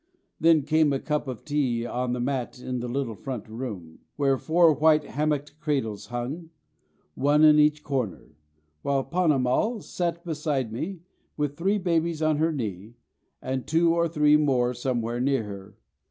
Then came a cup of tea on the mat in the little front room, where four white hammock cradles hung, one in each corner; while Ponnamal sat beside me with three babies on her knee and two or three more somewhere near her.